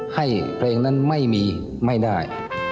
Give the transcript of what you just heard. ให้เพลงนั้นไม่มีไม่ได้